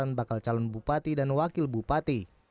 pasangan bakal calon bupati dan wakil bupati